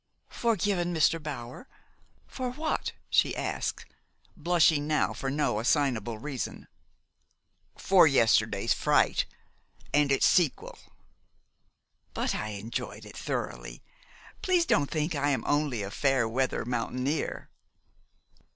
"Forgiven, Mr. Bower? For what?" she asked, blushing now for no assignable reason. "For yesterday's fright, and its sequel." "But I enjoyed it thoroughly. Please don't think I am only a fair weather mountaineer."